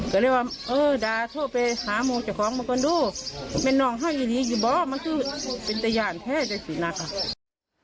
ก็เรียกว่าเออได้โทรไปหามูลจักรของมาก่อนดูไม่นองให้อย่างนี้อยู่บ้างมันคือเป็นตะยานแพทย์ในศิรินักษณะ